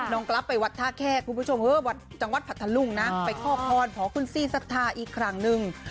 กลับไปวัดท่าแค่คุณผู้ชมจังหวัดพัทธลุงนะไปขอพรขอคุณซี่สัทธาอีกครั้งหนึ่ง